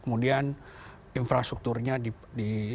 kemudian infrastrukturnya di